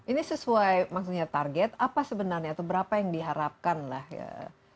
ini sesuai maksudnya target apa sebenarnya atau berapa yang diharapkan lah ya